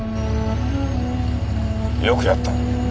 よくやった。